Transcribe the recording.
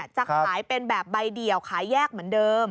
จะขายเป็นแบบใบเดี่ยวขายแยกเหมือนเดิม